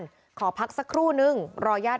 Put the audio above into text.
เมื่อวานแบงค์อยู่ไหนเมื่อวาน